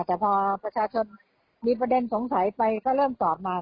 แต่พอประชาชนมีประเด็นสงสัยไปก็เริ่มตอบมา